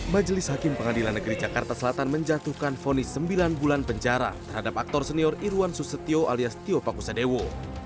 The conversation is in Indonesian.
majelis hakim pengadilan negeri jakarta selatan menjatuhkan fonis sembilan bulan penjara terhadap aktor senior irwan susetio alias tio pakusadewo